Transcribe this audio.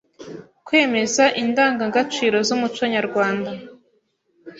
kwemeza indangagaciro z’umuco nyarwanda